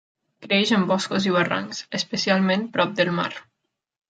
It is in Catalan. Creix en boscos i barrancs, especialment prop del mar.